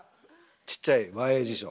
ちっちゃい和英辞書